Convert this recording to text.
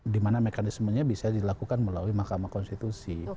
di mana mekanismenya bisa dilakukan melalui mahkamah konstitusi